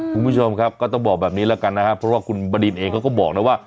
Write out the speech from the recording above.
คุณผู้ชมก็ต้องบอกแบบนี้ละกันนะคะเพราะว่าคุณบันไดเองเค้าก็บอกแล้วว่า